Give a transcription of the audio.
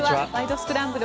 スクランブル」